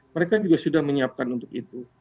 mereka juga sudah menyiapkan untuk itu